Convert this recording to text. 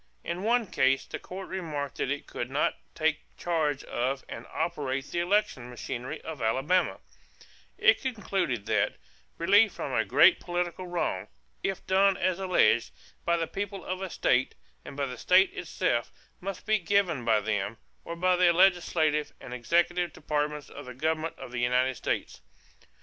In one case the Court remarked that it could not take charge of and operate the election machinery of Alabama; it concluded that "relief from a great political wrong, if done as alleged, by the people of a state and by the state itself, must be given by them, or by the legislative and executive departments of the government of the United States."